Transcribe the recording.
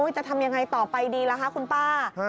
จะทำยังไงต่อไปดีล่ะคะคุณป้า